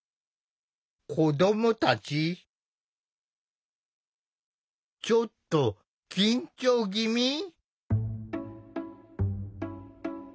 子どもたちちょっと緊張ぎみ？